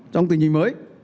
trong tình hình mới